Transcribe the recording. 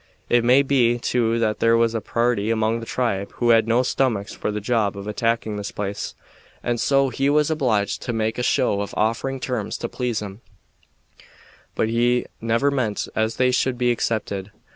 It may be, too, that there was a party among the tribe who had no stomachs for the job of attacking this place, and so he was obliged to make a show of offering terms to please 'em; but he never meant as they should be accepted.